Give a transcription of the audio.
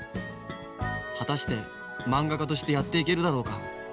果たしてまんが家としてやっていけるだろうか。